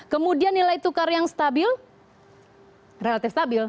kemudian nilai tukar yang stabil relatif stabil